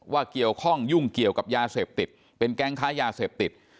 เกี่ยวข้องยุ่งเกี่ยวกับยาเสพติดเป็นแก๊งค้ายาเสพติด